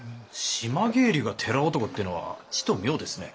島帰りが寺男ってぇのはちと妙ですね。